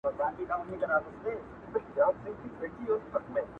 د انسانانو په جنګ راغلې،